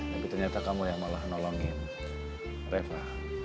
tapi ternyata kamu yang malah nolongin reva